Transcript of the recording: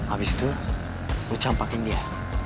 abis itu lo campakin dia